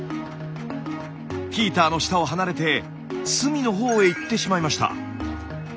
ヒーターの下を離れて隅の方へ行ってしまいました。